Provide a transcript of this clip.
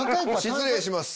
失礼します。